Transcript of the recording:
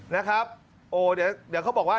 นะครับโอ้เดี๋ยวเขาบอกว่า